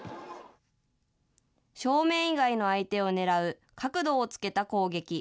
正面以外の相手を狙う角度をつけた攻撃。